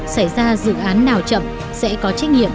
xảy ra dự án nào chậm sẽ có trách nhiệm